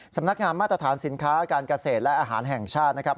สำนักงามมาตรฐานสินค้าการเกษตรและอาหารแห่งชาตินะครับ